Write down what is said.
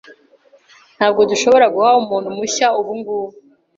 Ntabwo dushobora guha umuntu mushya ubungubu.